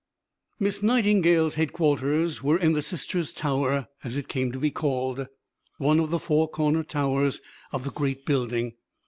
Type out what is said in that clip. Miss Nightingale's headquarters were in the "Sisters' Tower," as it came to be called, one of the four corner towers of the great building.